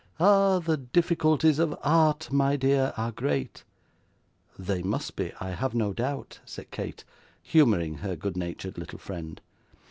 Ah! The difficulties of Art, my dear, are great.' 'They must be, I have no doubt,' said Kate, humouring her good natured little friend.